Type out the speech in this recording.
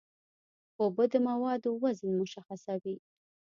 اوبه د موادو وزن مشخصوي.